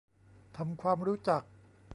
ทำความรู้จัก